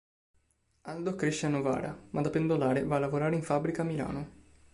Aldo cresce a Novara, ma da pendolare va a lavorare in fabbrica a Milano.